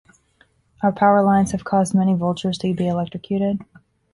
Our power lines have caused many vultures to be electrocuted.